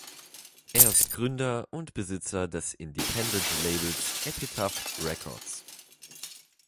Er ist Gründer und Besitzer des Independent-Labels Epitaph Records.